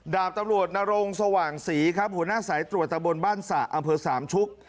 ดาบตำรวจนรงสว่างศรีครับหัวหน้าสายตรวจตะบนบ้านสระอำเภอสามชุก